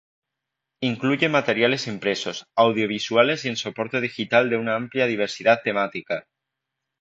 Incluye materiales impresos, audiovisuales y en soporte digital de una amplia diversidad temática.